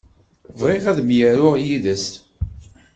Bɣiɣ ad myaruɣ yid-s.